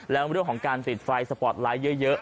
แล้วเรื่องของการติดไฟสปอร์ตไลท์เยอะ